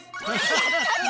やったぜ！